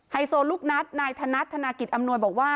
ไฮโซลูกนัดนายธนัตริย์ธนาคิดอำนวยบอกว่า